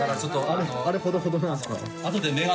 △ほどほどなんですか？